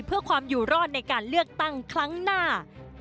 เพื่อความอยู่รอดในการเลือกตั้งครั้งหน้า